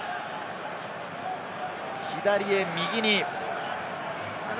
左へ、右に。